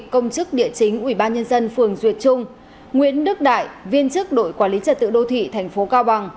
công chức địa chính ubnd phường duyệt trung nguyễn đức đại viên chức đội quản lý trật tự đô thị thành phố cao bằng